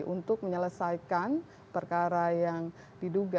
untuk menyelesaikan perkara yang diduga